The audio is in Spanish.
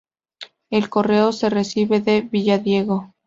El correo se recibe de Villadiego.